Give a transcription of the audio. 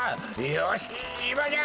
よしっいまじゃ！